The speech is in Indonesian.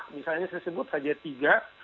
misalnya saya sebut saja tiga